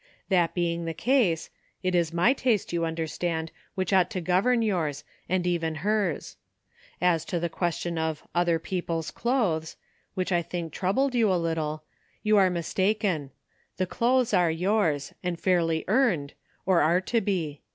That being the case, it is my taste, you under stand, which ought to govern yours, and even hers. As to the question of ' other people's clothes,' which I think troubled you a little, you are mistaken ; the clothes are yours, and fairly earned, or are to be.